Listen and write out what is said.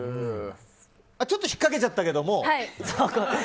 ちょっと引っかけちゃったけども。